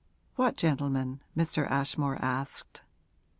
What gentleman?' Mr. Ashmore asked.